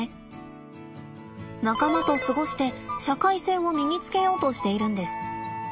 仲間と過ごして社会性を身につけようとしているんです。